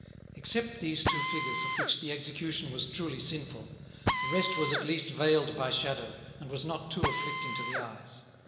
Except these two figures, of which the execution was truly sinful, the rest was at least veiled by shadow, and was not too afflicting to the eyes.